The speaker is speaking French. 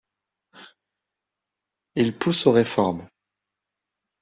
Il pousse aux réformes.